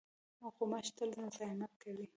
غوماشې تل مزاحمت کوي.